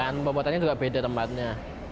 pembuatannya juga beda tempatnya